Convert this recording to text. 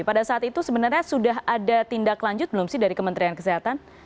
pada saat itu sebenarnya sudah ada tindak lanjut belum sih dari kementerian kesehatan